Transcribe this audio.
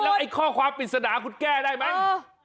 แล้วไอ้ข้อความปริศนาคุณแก้ได้มั๊ย